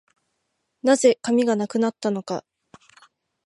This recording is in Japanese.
何故、紙がなくなったのか